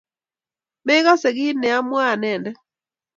Mekase kiit ne amwai anendet